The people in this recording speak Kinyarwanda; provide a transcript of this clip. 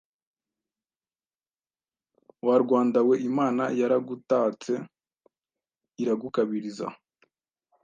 Wa Rwanda we Imana yaragutatse iragukabiriza,